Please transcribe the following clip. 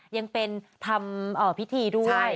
ยังเป็นทำพิธีด้วย